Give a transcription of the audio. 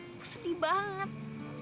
aku sedih banget